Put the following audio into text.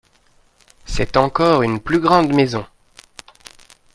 C’est encore une plus grande maison !